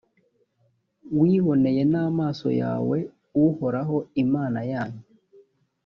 wiboneye n’amaso yawe uhoraho imana yanyu